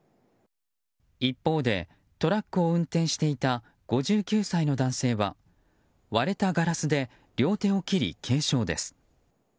一方で、トラックを運転していた５９歳の男性は割れたガラスで両手を切り軽傷です。